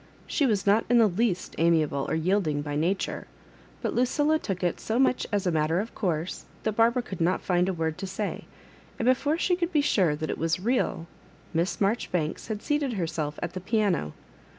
She was not in the least amiable or yielding by nature; but Lu cilla took it so much as a matter of course that Barbara could not find a word to say; and be fore she could be sure that it was real, Miss Marjoribanks had seated heraelf at the piano.